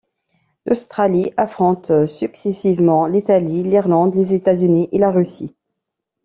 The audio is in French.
L'Australie affronte successivement l'Italie, l'Irlande, les États-Unis et la Russie.